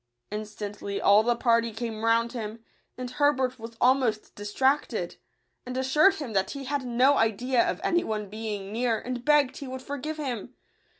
Instantly all the party came round him ; and Herbert was almost distracted, and assured him that he had no idea of any one being near, and begged he would forgive him.